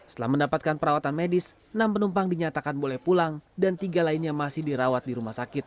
setelah mendapatkan perawatan medis enam penumpang dinyatakan boleh pulang dan tiga lainnya masih dirawat di rumah sakit